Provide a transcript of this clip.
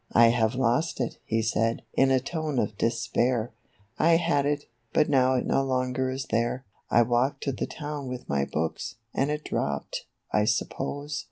" I have lost it," he said, in a tone of despair ;" I had it, but now it no longer is there. I walked to the town with my hooks, and it dropped, I suppose."